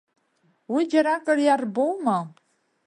Уи џьаракыр иарбоума?